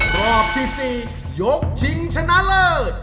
รอบที่๔ยกชิงชนะเลิศ